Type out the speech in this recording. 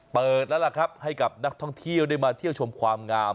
เปิดแล้วล่ะครับให้กับนักท่องเที่ยวได้มาเที่ยวชมความงาม